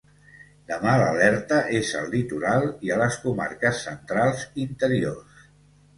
Demà l’alerta és al litoral i a les comarques centrals interiors.